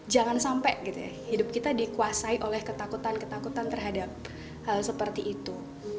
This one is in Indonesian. jangan sampai hidup kita dikuasai oleh ketakutan ketakutan terhadap hal seperti itu